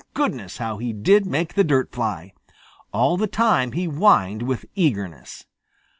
Goodness, how he did make the dirt fly! All the time he whined with eagerness.